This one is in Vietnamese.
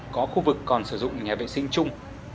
có khu vực còn sử dụng những nhà vệ sinh chung